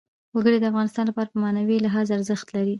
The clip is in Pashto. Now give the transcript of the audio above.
وګړي د افغانانو لپاره په معنوي لحاظ ارزښت لري.